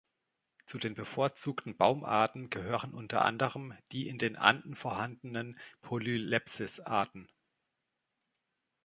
Zu den bevorzugten Baumarten gehören unter anderem die in den Anden vorhandenen Polylepis-Arten.